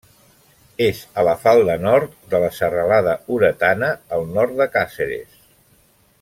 És a la falda nord de la serralada Oretana al nord de Càceres.